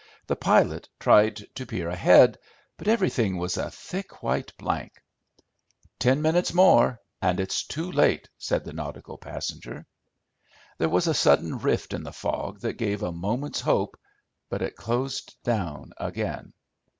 The pilot tried to peer ahead, but everything was a thick white blank. "Ten minutes more and it is too late," said the nautical passenger. There was a sudden rift in the fog that gave a moment's hope, but it closed down again.